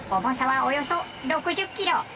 重さはおよそ６０キロ。